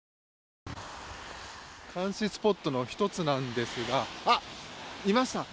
監視スポットの１つなんですがあ、いました！